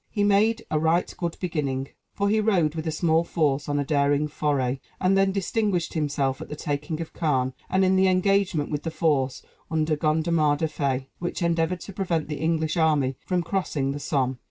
He "made a right good beginning," for he rode with a small force on a daring foray, and then distinguished himself at the taking of Caen and in the engagement with the force under Gondemar du Fay, which endeavored to prevent the English army from crossing the Somme.